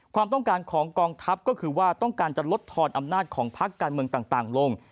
ความต้องการของกองทัพก็คือว่าต้องการจะลดทอนอำนาจของพักการเมืองต่างลง